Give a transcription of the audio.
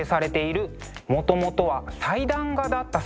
もともとは祭壇画だった作品です。